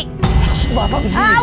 maksud bapak begini